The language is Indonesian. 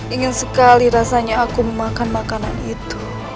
ingin sekali rasanya aku memakan makanan itu